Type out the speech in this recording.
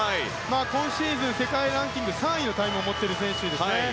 今シーズン、世界ランキング３位のタイムを持つ選手です。